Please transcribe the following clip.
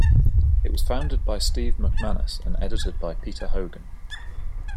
It was founded by Steve MacManus and edited by Peter Hogan.